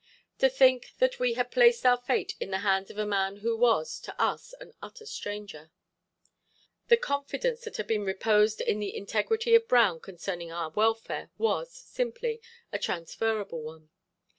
To think that we had placed our fate in the hands of a man who was, to us, an utter stranger. The confidence that had been reposed in the integrity of Brown concerning our welfare was, simply, a transferable one.